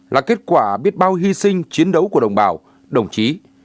là kết quả biết bao hy sinh chiến đấu của đồng bào đồng chí